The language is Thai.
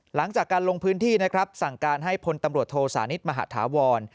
หลังจากการลงพื้นที่นะครับสั่งการให้พลตำรวจโทสานิทมหาธาวร